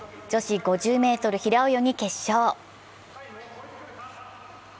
女子５０ｍ平泳ぎ決勝。